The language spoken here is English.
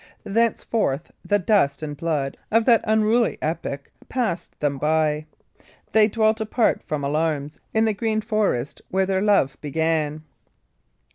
Thenceforth the dust and blood of that unruly epoch passed them by. They dwelt apart from alarms in the green forest where their love began.